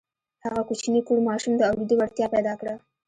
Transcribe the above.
هغه کوچني کوڼ ماشوم د اورېدو وړتيا پيدا کړه.